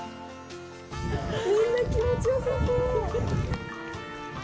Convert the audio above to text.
みんな、気持ちよさそう。